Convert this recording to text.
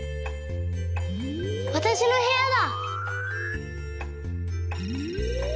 わたしのへやだ！